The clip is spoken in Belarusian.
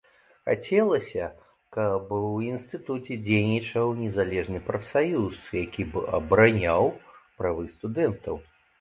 Хацелася, каб у інстытуце дзейнічаў незалежны прафсаюз, які б абараняў правы студэнтаў.